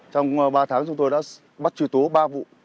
trong ba tháng chúng tôi đã bắt truy tố ba vụ